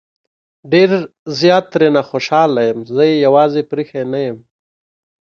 ډېر زيات ترې نه خوشحال يم زه يې يوازې پرېښی نه يم